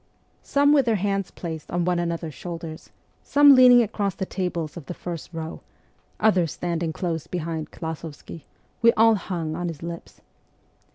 Some with their hands placed on one another's shoulders, some leaning across the tables of the first row, others stand ing close behind Klasovsky, we all hung on his lips.